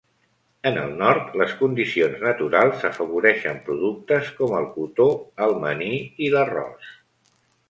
En el nord, les condicions naturals afavoreixen productes com el cotó, el maní i l'arròs.